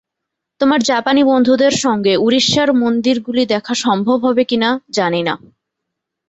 তোমার জাপানী বন্ধুদের সঙ্গে উড়িষ্যার মন্দিরগুলি দেখা সম্ভব হবে কিনা, জানি না।